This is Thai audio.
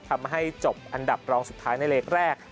ทำให้จบอันดับรองสุดท้ายในเล็กแรก